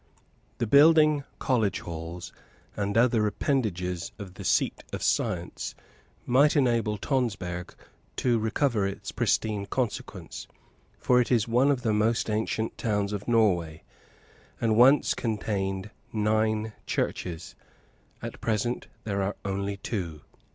The building college halls, and other appendages of the seat of science, might enable Tonsberg to recover its pristine consequence, for it is one of the most ancient towns of Norway, and once contained nine churches. At present there are only two.